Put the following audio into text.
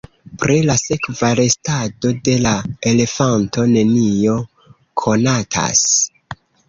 Pri la sekva restado de la elefanto nenio konatas.